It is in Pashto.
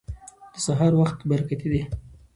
د سهار وخت برکتي دی.